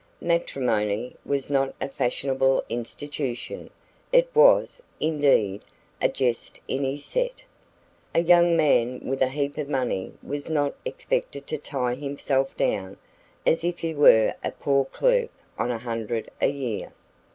Matrimony was not a fashionable institution it was, indeed, a jest in his set. A young man with a heap of money was not expected to tie himself down as if he were a poor clerk on a hundred a year.